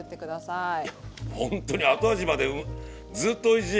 いやほんとに後味までずっとおいしい。